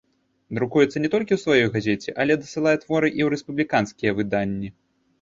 Друкуецца не толькі ў сваёй газеце, але дасылае творы і ў рэспубліканскія выданні.